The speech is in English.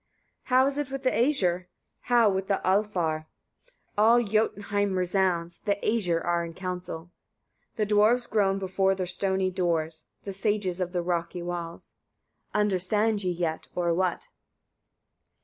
52. How is it with the Æsir? How with the Alfar? All Jötunheim resounds; the Æsir are in council. The dwarfs groan before their stony doors, the sages of the rocky walls. Understand ye yet, or what?